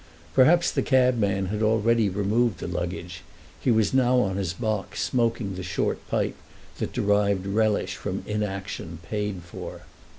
Perhaps the cabman had already removed the luggage—he was now on his box smoking the short pipe that derived relish from inaction paid for.